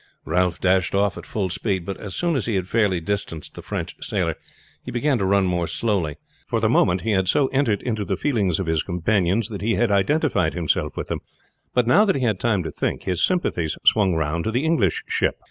Ralph dashed off at full speed, but as soon as he had fairly distanced the French sailor he began to run more slowly. For the moment he had so entered into the feelings of his companions that he had identified himself with them, but now he had time to think, his sympathies swung round to the English ship.